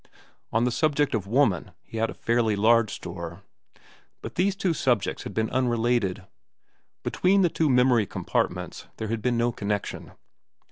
On the subject of woman he had a fairly large store. But these two subjects had been unrelated. Between the two memory compartments there had been no connection.